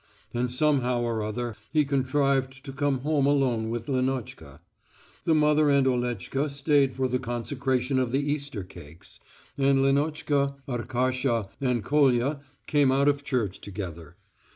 And somehow or other he contrived to come home alone with Lenotchka. The mother and Oletchka stayed for the consecration of the Easter cakes, and Lenotchka, Arkasha and Kolya came out of church together.